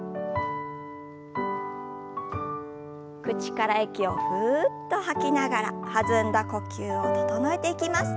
口から息をふっと吐きながら弾んだ呼吸を整えていきます。